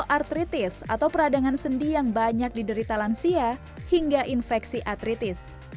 artritis atau peradangan sendi yang banyak diderita lansia hingga infeksi artritis